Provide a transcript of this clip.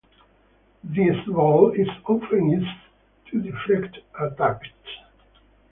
This ball is often used to deflect attacks.